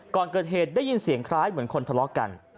ก่อนเกิดเหตุได้ยินเสียงคล้ายเหมือนคนทะเลาะกัน